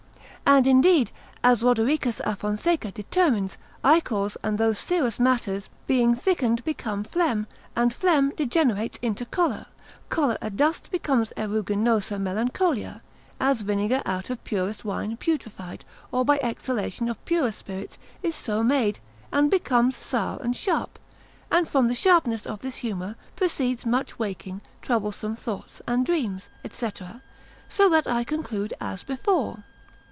And indeed as Rodericus a Fons. cons. 12. l. 1. determines, ichors, and those serous matters being thickened become phlegm, and phlegm degenerates into choler, choler adust becomes aeruginosa melancholia, as vinegar out of purest wine putrified or by exhalation of purer spirits is so made, and becomes sour and sharp; and from the sharpness of this humour proceeds much waking, troublesome thoughts and dreams, &c. so that I conclude as before.